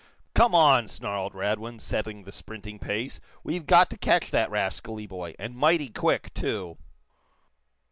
"Come on!" snarled Radwin, setting the sprinting pace. "We've got to catch that rascally boy, and mighty quick, too!"